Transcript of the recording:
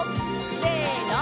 せの！